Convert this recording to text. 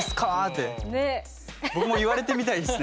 僕も言われてみたいですね。